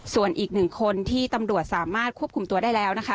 ส่วนอีกหนึ่งคนที่ตำรวจสามารถควบคุมตัวได้แล้วนะคะ